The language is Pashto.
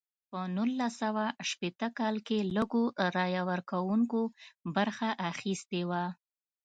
په نولس سوه شپیته کال کې لږو رایه ورکوونکو برخه اخیستې وه.